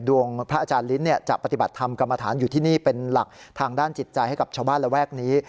พระอาจารย์ลิ้นจะปฏิบัติธรรมกรรมฐานอยู่ที่นี่เป็นหลักทางด้านจิตใจให้กับชาวบ้านระแวกนี้